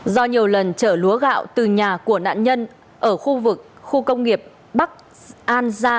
do nhiều lần chở lúa gạo từ nhà của nạn nhân ở khu vực khu công nghiệp bắc an gia